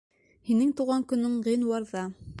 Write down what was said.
Һинең тыуған көнөң ғинуарҙа!